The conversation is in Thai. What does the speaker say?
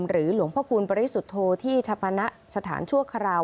หรือหลวงพระคูณบริสุทธิ์ที่ชาปณะสถานชั่วคราว